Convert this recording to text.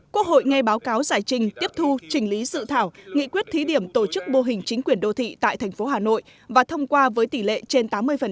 quốc hội nghe báo cáo giải trình tiếp thu chỉnh lý dự thảo nghị quyết thí điểm tổ chức mô hình chính quyền đô thị tại thành phố hà nội và thông qua với tỷ lệ trên tám mươi